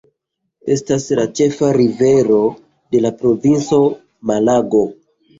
Estas la ĉefa rivero de la provinco Malago.